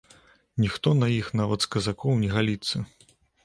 Ніхто на іх, нават з казакоў, не галіцца.